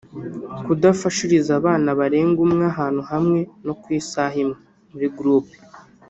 Kudafashiriza abana barenga umwe ahantu hamwe no ku isaha imwe (muri groupe)